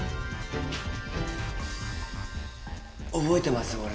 覚えてます？